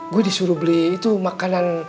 gue disuruh beli itu makanan